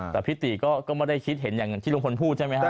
แต่พี่ตีก็ไม่ได้คิดเห็นอย่างที่ลุงพลพูดใช่ไหมครับ